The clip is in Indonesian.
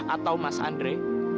atau mas andre